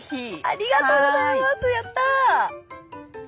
ありがとうございますやった！